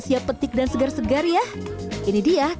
cuma penggunakan jahe jahek